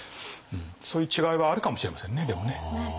そういう違いはあるかもしれませんねでもね。